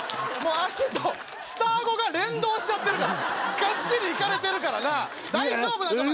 足と下あごが連動しちゃってるからガッシリいかれてるからな大丈夫なのか？